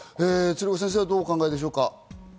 鶴岡先生はどうお考えでしょうか？